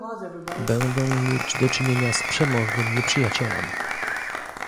"Będę mieć do czynienia z przemożnym nieprzyjacielem."